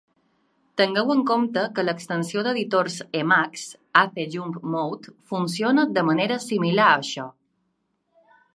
Tingueu en compte que l'extensió d'editors Emacs "Ace jump mode" funciona de manera similar a això.